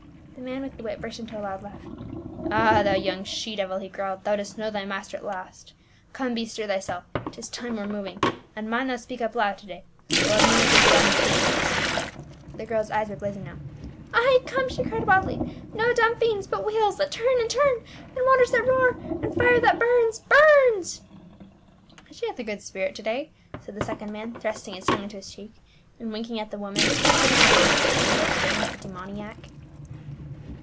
The man with the whip burst into a loud laugh. "Ah, thou young she devil," he growled, "thou do.st know thy master at last ; come, bestir thyself, 'tis time we were moving ; and mind thou speak up loud to day. we'll have none of your dumb fiends." The girl's eyes were blazing now. "Ay, come!" IN PHILIPPT. 323 she cried wildly. " No dumb fiends— but wheels that turn and turn, and waters that roar, and fire that burns — burns !"" She hath a good spirit to day !" said the second man, thrusting his tongue into his cheek and winking at the woman, who stood with her arms akimbo staring at the demoniac.